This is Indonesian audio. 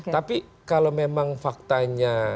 tapi kalau memang faktanya